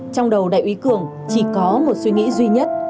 trong đầu đại úy cường chỉ có một suy nghĩ duy nhất